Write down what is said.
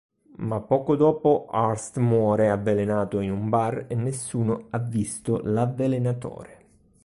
Ma poco dopo Hurst muore avvelenato in un bar e nessuno ha visto l'avvelenatore.